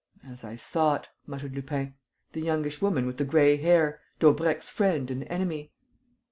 "As I thought," muttered Lupin. "The youngish woman with the gray hair: Daubrecq's friend and enemy."